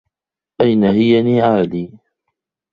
أين هي نعالي؟